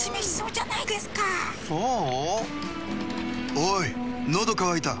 おいのどかわいた。